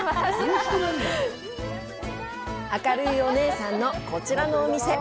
明るいお姉さんのこちらのお店。